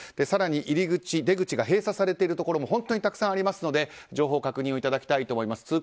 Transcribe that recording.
更に入り口、出口が閉鎖されているところも本当にたくさんありますので情報確認をいただきたいと思います。